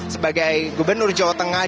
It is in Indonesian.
sebagai gubernur jawa tengah